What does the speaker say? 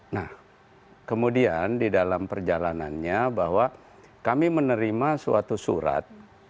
nah kemudian di dalam perjalanannya bahwa kami menerima suatu surat